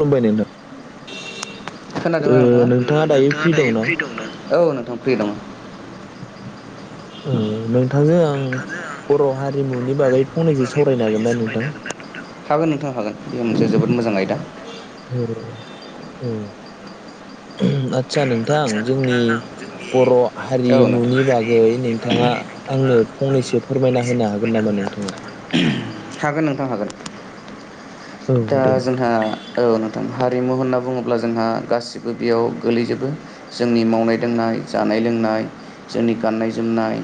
खुलुमबाय नोंथां खोनादोंना नोंथाङा नोंथाङा दायो फ्रि दंना? औ नोंथां फ्रि दं [inaudible] ओ नोंथांजों आं बर' हारिमुनि बागै फंनैसो सावरायनो हागोन ना नोंथां हागोन नोंथां हागोन बेयो मोनसे जोबोद मोजां आयदा [unintelligible] आदसा नोंथां जोंनि बर' औ नोंथां। हारिमुनि बागै नोंथाङा आंनो फंनैसो फोरमायना होनो हागोन नामा नोंथाङा ना? हागोन नोंथां हागोन औ दा दे जोंहा नोंथां औ हारिमु होनना बुङोब्ला जोंहा गासिबो बेयाव गोलैजोबो जोंनि मावनाय दांनाय, जानाय लोंनाय, जोंनि गाननाय जोमनाय,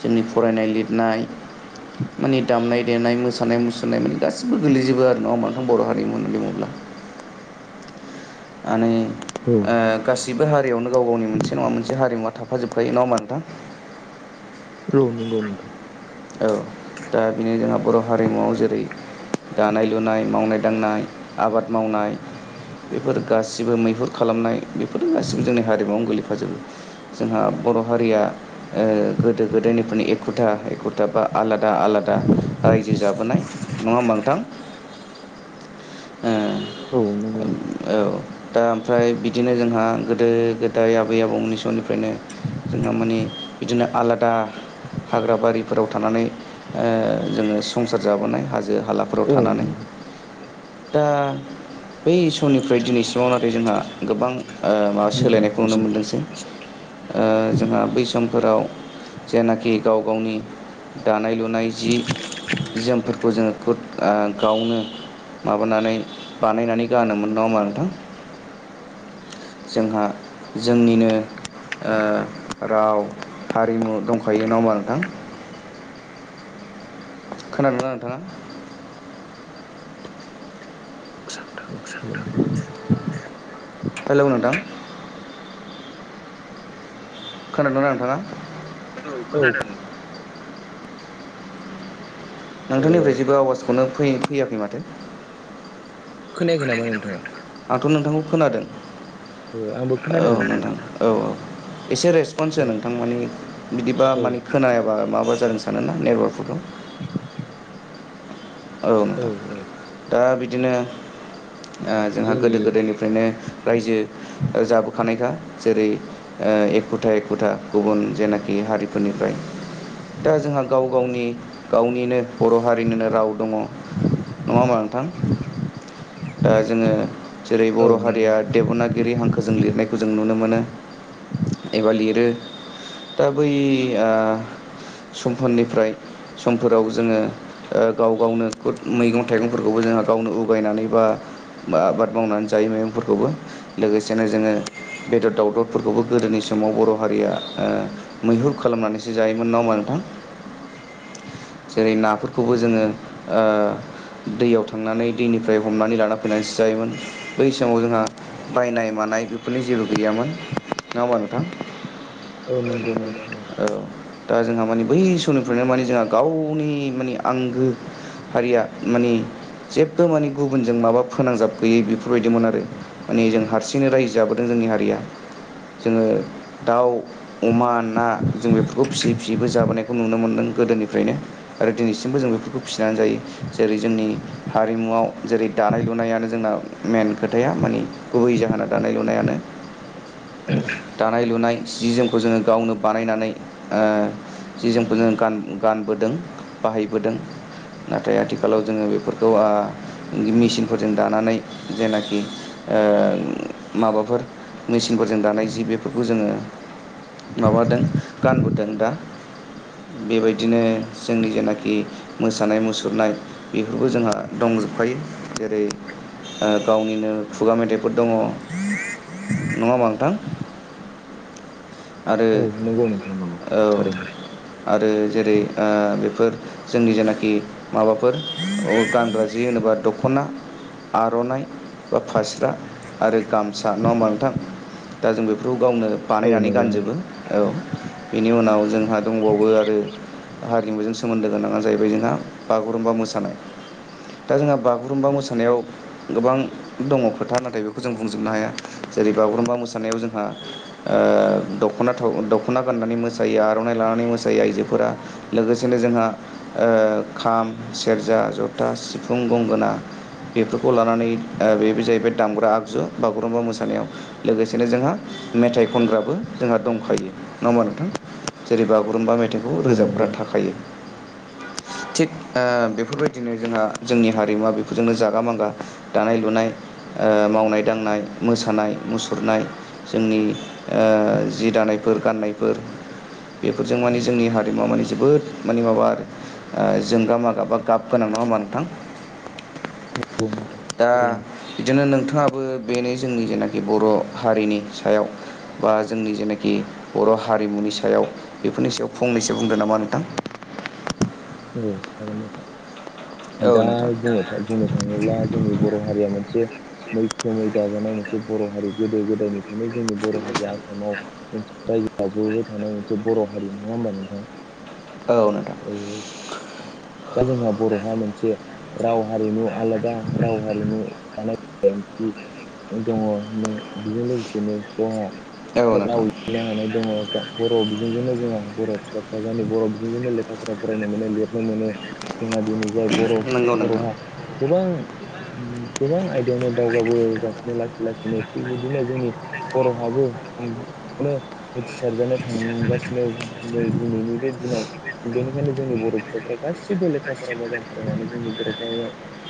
जोंनि फरायनाय लिरनाय माने दामनाय देनाय, मोसानाय मुसुरनाय माने गासिबो गोलैजोबो आरो नङा होनबा नोंथां बर' हारिमु बुङोब्ला [inaudible] माने औ गासिबो हारियावनो गाव गावनि मोनसे नङा मोनसे हारिमुवा थाब फाजोबखायो नङा होमबा नोंथां औ नोंगौ नोंथां औ दा बेनो जोंहा बर' हारिमुआव जेरै दानाय लुनाय, मावनाय दांनाय, आबाद मावनाय बेफोर गासिबो मैहुर खालामनाय बेफोरजों गासिबो जोंनि हारिमुवाव गोग्लैयो जों जोंहा बर' हारिया गोदो-गोदायनिफ्रायनि एखुथा एखु था बा आलादा आलादा रायजो जाबोनाय नङा होमबा नोंथां [unintelligible] औ नंगौ औ दा ओमफ्राय बिदिनो जोंहा गोदो-गोदाय आबै-आबौमोननि समनिफ्राय फ्रायनो जोंहा मोने बिदिनो आला दा हाग्रा बारिफोराव थानानै ओह जोङो संसार जाबोनाय हाजो हालाफोराव औ थानानै नंगौ। औ दा बै समनिफ्राय दिनैसिमाव लागै जोंहा गोबां माबा सोलायनायखौ नुनो मोनदोंसै ओह जोंहा बै समफोराव जेनाखि गाव गावनि दानाय लुनाय जि जोमफोरखौ जोङो गावनो माबानानै बानायनानै गानोमोन नङा होमबा नोंथां जोंहा जोंनिनो राव हारिमु दंखायो नङा होमबा नोंथां खोनादोंना नोंथाङा [inaudible] हेलौ नोंथां खोनादोंना नोंथाङा औ ओ खोनादों नोंथांनिफ्राय जेबो आवाजखौनो फैयाखै माथो खोनायाखै नामा नोंथाङा आंथ' नोंथांखौ खोनादों ओ आंबो औ खोनादों नोंथां औ-औ एसे रेसपन्स हो नोंथां मानि बिदिबा ओ माने खोनायाबा माबा जादों - सानोना [unintelligible] औ नोंथां दा बिदिनो औ जोंहा गोदो जोंनि गोदायनिफ्रायनो रायजो जाबोखानायखा जेरै एखुथा एखुथा गुबुन जेनाखि हारिफोरनिफ्राय दा जोंहा गाव गावनि गावनिनो बर' हारिनिनो राव दङ नङा होमबा नोंथां [inaudible] दा जोङो जेरै औ बर' नंगौ हारिया देब'नागिरि हांखोजों लिरनायखौ जों नुनो मोनो एबा लिरो दा बै आह समफोरनिफ्राय समफोराव जोङो गाव गावनो खुद मैगं थाइगंफोरखौबो जोंहा गावनो उगायनानै बा आबाद मावनानै जायो मैगं फोरखौबो लोगोसेनो जोङो बेदर दावदरफोरखौबो गोदोनि समाव बर' हारिया मैहुर खालामनानैसो जायोमोन नङा होमबा नोंथां [inaudible] जेरै नाफोरखौबो जोङो ओह दैयाव थांनानै दैनिफ्राय हमनानै लाना फैनानैसो जायोमोन बै समाव जोंहा बायनाय मानाय बेफोरनि जेबो गैयामोन नङा होमबा नोंथां औ नंगौ नोंथां नंगौ औ दा जोंहा मानि बै समनिफ्रायनो माने जोंहा गावनि मानि आंगो हारिया माने जेबबो माने गुबुनजों माबा फोनांजाब गैयै बेफोरबायदिमोन आरो माने जों हारसिंनो रायजो जाबोदों जोंनि हारिया जोङो दाउ अमा ना जों बेफोरखौ फिसियै फिसियैबो जाबोनायखौ नुनो मोन्दों गोदोनिफ्रायनो आरो दिनैसिमबो जों बेफोरखौ फिसिनानै जायो जेरै जोंनि हारिमुआव जेरै दानाय लुनायानो जोंना मेन खोथाया मानि गुबै जाहोना दानाय लुनायानो [inaudible] दानाय लुनाय जि जोमखौ जोंङो गावनो बानायनानै जि ओह जोमखौ जोंङो गान गानबोदों बाहायबोदों नाथाय आथिखालाव जोंङो बेफोरखौ मेचिनफोरजों दानानै जेनाखि ओह माबाफोर मेचिनफोरजों दानाय जि बेफोरखौ जोंङो माबादों गानबोदों दा बेबायदिनो जोंनि जेनाखि मोसानाय मुसुरनाय बेफोरबो जोंहा दंजोबखायो जेरै। गावनिनो खुगा मेथाइफोर दंङ नंङा होनबा नोंथां। आरो औ नंगौ नोंथां नंगौ औ थारैनो आरो जेरै बे ओ। बेफोर जोंनि जेनाखि माबाफोर गानग्रा जि होनोबा दखना। आरनाइ बा फास्रा आरो गामसा नंङा होमबा नोंथां। दा जों बेफोराव। गावनो औ बानायनानै नंगौ गानजोबो नोंथां औ बेनि उनाव जोंहा दंबावो आरो। हारिमुजों सोमोन्दो गोनांङा जाहैबाय जोंहा बागुरुम्बा मोसानाय। दा जोंहा बागुरुम्बा मोसानायाव गोबां दंङ खोथा नाथाय बेखौ जों बुंजोबनो हाया। जेरै बागुरुम्बा मोसानायाव जोंहा दखना दखना गाननानै मोसायो आरनाइ लानानै। मोसायो आइजोफोरा लोगोसेनो जोंहा। खाम सेरजा जथा सिफुं गंगोना। बेफोरखौ लानानै बेबो जाहैबाय दामग्रा आगजु बागुरुम्बा मोसानायाव लोगोसेनो जोंहा। मेथाइ खनग्राबो जोंहा दंखायो नंङा होमबा नोंथां जेरै बागुरुम्बा मेथाइ। बेखौ औ नंगौ रोजाबग्रा थाखायो। [inaudible] थिग बेफोरबायदिनो जोंहा जोंनि हारिमुवा बेफोरजोंनो जागा मागा दानाय लुनाय। मावनाय दांनाय मोसानाय मुसुरनाय जोंनि जि दानाय। फोर गाननायफोर बेफोरजों माने जोंनि हारिमुआ माने जोबोद माने माबा आरो। जोंगा मागा बा गाब गोनां नंङा होमबा नोंथां। नंगौ नोंथां दा थारैनो बिदिनो नोंथांङा। बो बेनो जोंनि जेनाखि बर हारिनि सायाव बा जोंनि जेनाखि बर हारि। हारिमुनि सायाव बेफोरनि सायाव फंनैसो बुंदों नामा नोंथां। [inaudible] औ औ दा नोंथां बुंनो थांङोब्ला जोंनि बर। बर हारिया मोनसे। मैखोमै दाजानाय मोनसे बर हारि गोदो गोदायनिफ्रायनो जोंनि बर हारिया आसामाव मोनसे। रायजोयाव थानायनाय मोनसे बर हारि नंङा होमबा नोंथां। औ नोंथां। दा जोंहा बरहा मोनसे। राव हारिमु आलादा राव हारिमु जानाय ओंख्रि।। दंङ नों बेजों लोगोसेनो दंङ। औ नोंथां रावआवनो हानाय दंङ बर बिजोंजोंनो जोंहा बर फिसाफ्रा जोंनि बर बिजोंजोंनो लेखा फराय। राव फरायनो मोनो लिरनो मोनो जोंहा दिनै जाय बर नंगौ नोंथां बरहा गोबां। गोबां आयदायावनो दावगाबोगासिनो लासै लासैनो थिग बिदिनो जोंनि। बर हाबो। खौनो मिथिसारजानो थांगासिनो नै दिनैनि बे दिनाव बेनिखायनो। जोंनि बर फिसाफ्रा गासिबो लेखा फरा मोजां फरायनानै जोंनि बरफ्रा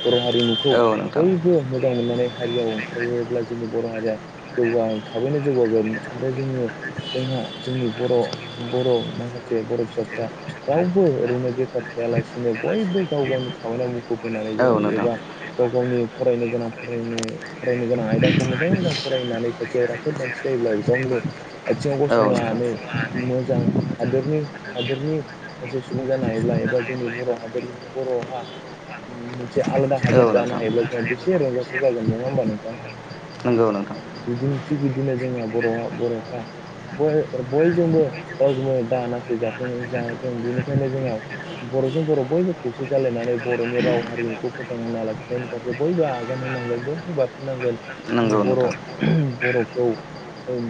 बर हारिमुखौ औ बयबो। नोंथां बयबो मोजां मोननानै हारियाव ओंखारोब्ला जोंनि बर हारिया जौगा थाबैनो जौगागोन आरो। जोंङो जोंहा जोंनि बर बर माखासे बर फिसाफोरा राव। ओरैनो बेखार थायालासिनो बयबो गाव गावनि खामानियाव मुखुब होनानै औ जों नोंथां एबा गाव गावनि। फरायनो गोनां फरायनो गोनां आयदाखौ मोजांङै मोजां फरायनानै सासे राफोद मानसि जायोब्ला बेफ्राव। आथिंङाव औ गसंनो नोंथां हानानै मोजां हादोरनि हादोरनि। सासे सुबुं जानो हायोब्ला एबा जोंनि बर हादोरनि बरहा। मोनसे आलादा औ हादर जानो नोंथां हायोब्ला जोंहा बेसे रंजाथाव जागोन नङा होमबा नोंथां। नंगौ नोंथां बिदिनो थिग बिदिनो जोंना बर बरफ्रा। बयजोंबो रावजोंबो दा नासयजाथों जा। जों बेनिखायनो जोंङो बरजों बर बयबो खौसे जालायनानै बरनि राव हारिमुखौ फोथांना लाखि। जायनि फारसे बयबो आगान होनांगोन बयबो बारसोमनांगोन जोंनि नंगौ बर नोंथां बरखौ।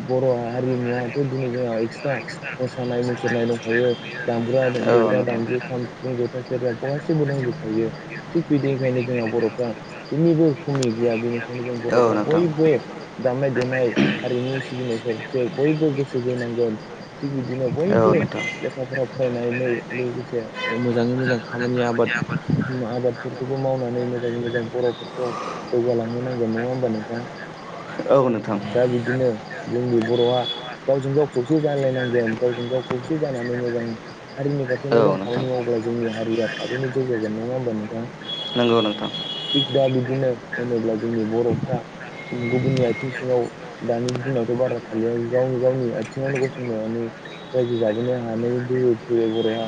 बर औ हारिमुवाथ दिनै जोंहा एक्सट्रा मोसानाय मुसुरनाय दंखायो। दामग्रा देग्रा नोंथां दामजु खाम सिफुं जथा सेरजा गासिबो दंजोबखायो थिग बिनिखायनो जोंहा बरफ्रा जेनिबो खमि गैया बेनिखायनो जों औ नोंथां औ बरफ्रा बयबो दामनाय देनाय हारिमु सिबिनायफोरसो बयबो गोसो होनोनांगोन थिग बिदिनो बयबो नोंथां लेखाफ्राव फरायनानै लोगोसे मोजांङै मोजां खामानि आबाद आबादफोरखौबो मावनानै मोजांङै मोजां बरफोरखौ जौगालांनो नांगोन नङा होमबा नोंथां औ नोंथां दा बिदिनो जोंनि बरआ गावजों गाव खौसे जालायनांगोन गावजों गाव खौसे जानानै मोजां हारिनि फारसे औ मोजां नोंथां खामानि मावोब्ला जोंनि हारिया थाबैनो जौगागोन नंङा होमबा नोंथां । नंगौ नोंथां थिग दा बिदिनो होनोब्ला जोंनि बरफ्रा गुबुननि आथिं सिङाव दानि दिनावथ बारा थालिया गाव गावनि आथिङावनो गसंनानै रायजो जाबोनो हानाय गह फैबाय बरआ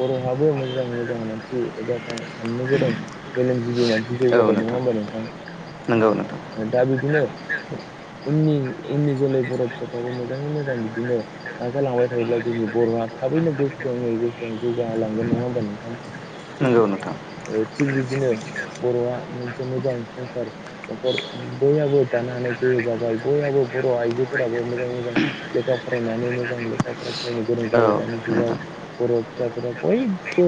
बरहाबो मोजां मोजां मानसि एबा साननो गोरों मेलेमजिबि मानसि औ जौगाबाय नङा नोंथां हबा नोंथा नंगौ नोंथां दा बिदिनो उननि उननि जोलै बर फिसाफ्राबो मोजांङै मोजां बिदिनो नाजालांबाय थायोब्ला जोंनि बर'आ थाबैनो गोख्रोङै गोख्रोङै जौगालांगोन नङा होमबा नोंथां थिग नंगौ नोंथां ओ थिग बिदिनो बरआ मोनसे मोजां संसार नखर बययाबो दा ह गोहो जाबाय बयाबबो बर' आइजोफोराबो मोजां मोजां लेखा फरायनानै मोजां लेखा फरायनो गोरों औ जाबाय दानि जुगाव नोंथां । बर' फिसाफोरा बयबो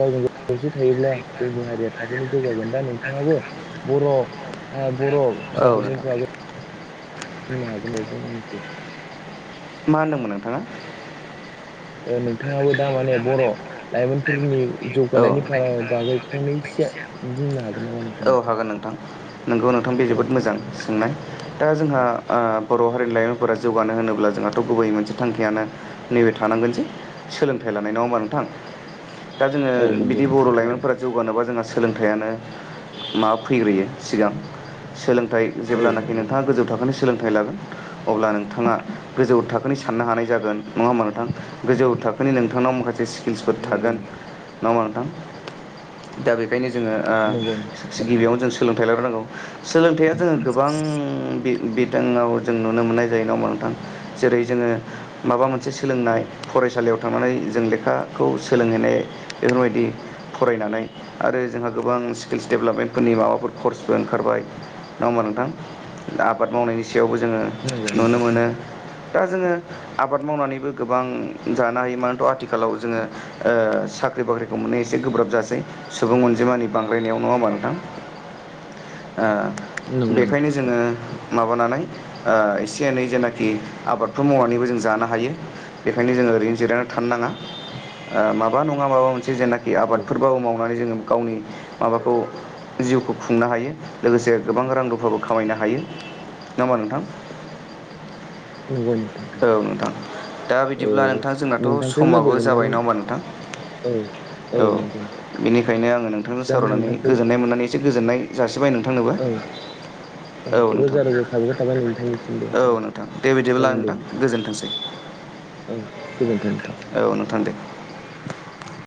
गावजों गाव खौसे थायोब्ला जोंनि हारिया थाबैनो जौगाब दा नोंथाङाबो बर' आ बर' औ फिसफोरनि नोंथां बागै बुंनो हागोनबाव बुंहनैसो मा होनदोंमोन नोंथाङा? ओ नोंथाङाबो द माने बर लाइमोनफोरनि जौगानायनि फार बागै फंनैसो बुंनो हागोन नामा औ नोंथाङा? हागोन नोंथां नोंगौ नोंथां बे औ जोबोद मोजां नोंथां दे सोंनाय दा जोंहा औ ओ बर' हारिनि लाइमोनफोरा ज होनोब्ला जोंहाथ' गुबै मोनसे थांखियानो नैबाय थानांगोन जे सोलोंथाइ लानाय नंङा होमबा नोंथां । दा जोंङो औ नंगौ बिदि बर नोंथां थारैनो लाइमोनफोरा जौगानोबा जोंहा सोलोंथाइयानो मा फैग्रोयो सिगां सोलोंथाइ औ जेब्लानखि नंगौ नोंथाङा नोंथां गोजौ थाखोनि सोलोंथाइ फ लागोन अब्ला नोंथाङा गोजौ थाखोनि साननो हानाय जागोन नंङा होमबा नोंथां गोजौ थाखो बेनि नोंथांनाव माखासे स्किल्सफोर नंगौ थागोन नोंथां नङामा नोंथां दा बेखायनो जोंङो नंगौ नोंथां ओ थारैनो गिबियावनो जों सोलोंथाइ लाब्रोनांगौ सोलोंथाइया जोंङो गोबां बे बिथानाव जों नुनो मोननाय जायो नामा नोंथां जेरै जोङो माबा मोनसे मोनसे सोलोंनाय औ फरायसालियाव थांनानै जों लेखाखौ सोलोंहैनाय बेफोरबायदि फरायनानै आरो जोंहा गोबां स्किलस डेभेलपमेन्टफोरनि माबाफोर कर्सबो ओंखारबाय नङा होमबा नोंथां आबाद मावनायनि गयावबो जोंङो नंगौ नुनो नोंथां मोनो दा जोङो आबाद मावनानैबो गोबां जानो हायो मानोथ' आथिखालाव जोंङो ओ साख्रि बाख्रिखौ मोननाया एसे गोब्राब जासै सुबुं अनजिमानि बांद्रायनायाव नङा होमा नोंथां । ओ नंगौ नोंथां बेखायनो जोङो थारैनो माबानानै ओ एसे एनै जेनाखि आबादफोर मावनानैबो जों जानो हायो बेनिखायनो जों ओरैनो जिरायनानै थानो नांङा ओ मा नङा मा जे जेनाखि औ आबादफोरबाबो मावनानै जोंङो गावनि माबाखौ जिउखौ खुंनो हायो लोगोसे गोबां रां रुफाबो खामायनो हायो नङा होमबा नोंथां । [inaudible] नोंथां औ नोंथां दा बिदिब्ला ओ नोंथां जोंनाथ' नोंथांखौ लोगो समाबो जाबाय मोननानै नङा होमबा नोंथां? औ औ नंगौ नोंथां बेनिखायनो आङो नोंथांजों दा सावरायनानै नोंथांखौ गोजोननाय मोननानै एसे गोजोननाय जासिग थिबाय नोंथांनोबो औ । औ नोंथां रोजा रोजा साबायखर थाबाय नोंथांनिसिमबो औ नोंथां दे बिदिब्ला आं जागोन दे नोंथां गोजोनथोंसै औ गोजोन्थों नोंथां औ नोंथां दे